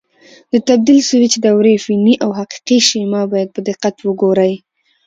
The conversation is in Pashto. د تبدیل سویچ دورې فني او حقیقي شیما باید په دقت وګورئ.